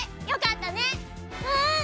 うん！